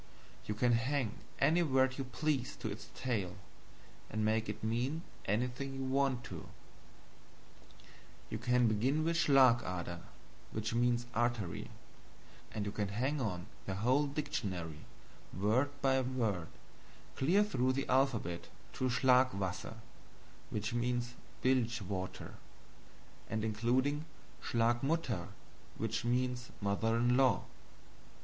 You can hang any word you please to its tail, and make it mean anything you want to. You can begin with SCHLAG ADER, which means artery, and you can hang on the whole dictionary, word by word, clear through the alphabet to SCHLAG WASSER, which means bilge water and including SCHLAG MUTTER, which means mother in law.